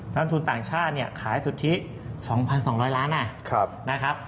ลงทุนต่างชาติขายสุดที่๒๒๐๐ล้านนะครับ